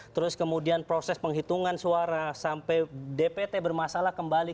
terus kemudian proses penghitungan suara sampai dpt bermasalah kembali